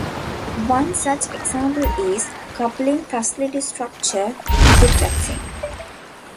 One such example is Coupling Facility Structure Duplexing.